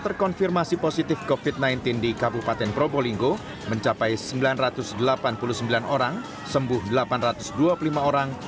terkonfirmasi positif covid sembilan belas di kabupaten probolinggo mencapai sembilan ratus delapan puluh sembilan orang sembuh delapan ratus dua puluh lima orang